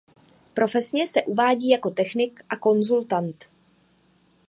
Profesně se uvádí jako technik a konzultant.